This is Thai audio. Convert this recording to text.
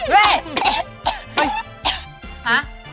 เว้ย